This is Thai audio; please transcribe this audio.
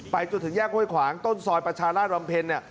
ไปจุดถึงแยกห้วยขวางต้นซอยประชาราชบำเพ็ญ